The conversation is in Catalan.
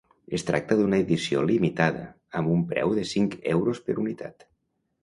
Es tracta d’una edició limitada, amb un preu de cinc euros per unitat.